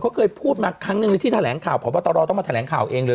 เขาเคยพูดมาครั้งหนึ่งเลยที่แถลงข่าวพบตรต้องมาแถลงข่าวเองเลย